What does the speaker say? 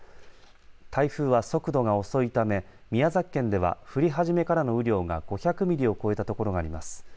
台風は速度が遅いため宮崎県では降り始めからの雨量が５００ミリを超えたところがあります。